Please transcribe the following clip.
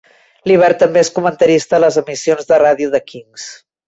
Lever també és comentarista a les emissions de ràdio de Kings.